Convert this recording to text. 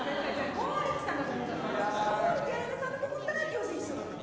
剛力彩芽さんだと思ったら、巨人師匠だったの。